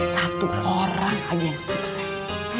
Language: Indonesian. satu orang aja yang sukses